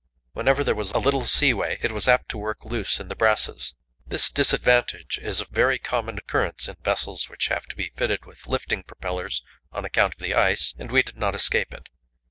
Whenever there was a little seaway, it was apt to work loose in the brasses. This disadvantage is of very common occurrence in vessels which have to be fitted with lifting propellers on account of the ice, and we did not escape it.